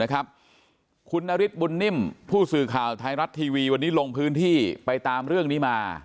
คุณนฤทธิบุญนิ่มผู้สื่อข่าวไทยรัฐทีวีวันนี้ลงพื้นที่ไปตามเรื่องนี้มา